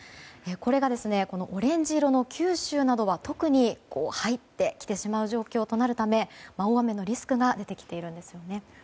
これがオレンジ色の九州などは特に入ってきてしまう状況となるため大雨のリスクが出てきているんですよね。